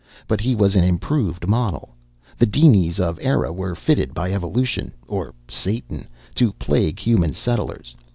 But he was an improved model. The dinies of Eire were fitted by evolution or Satan to plague human settlers.